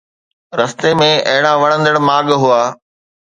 رستي ۾ اهڙا وڻندڙ ماڳ هئا